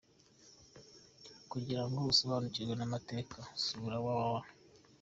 Kugira ngo usobanukirwe n’amategeko, Sura www.